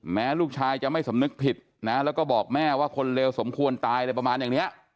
แม้ลูกชายจะไม่สำนึกผิดนะแล้วก็บอกแม่ว่าคนเลวสมควรตายอะไรประมาณอย่างนี้